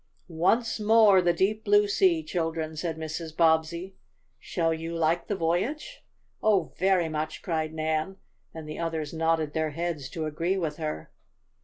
"Once more the deep, blue sea, children!" said Mrs. Bobbsey. "Shall you like the voyage?" "Oh, very much!" cried Nan, and the others nodded their heads to agree with her.